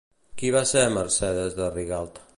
Qui va ser Mercedes de Rigalt?